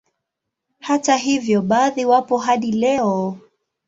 Hata hivyo baadhi wapo hadi leo